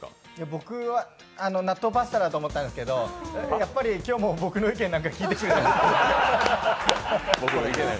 僕は納豆パスタだと思ったんですけど、やっぱり今日も僕の意見なんか聞いてくれなかった。